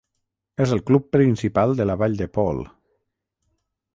És el club principal de la vall de Paul.